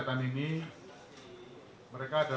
pak ini apa